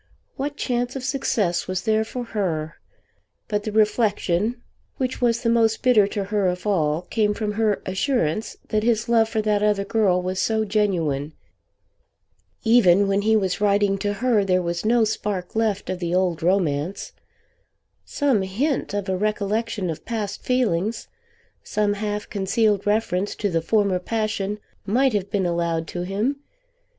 What chance of success was there for her? But the reflection which was the most bitter to her of all came from her assurance that his love for that other girl was so genuine. Even when he was writing to her there was no spark left of the old romance! Some hint of a recollection of past feelings, some half concealed reference to the former passion might have been allowed to him!